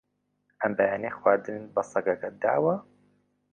ئەم بەیانییە خواردنت بە سەگەکە داوە؟